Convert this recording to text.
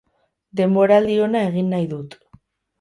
Denboraldi ona egin nahi dut.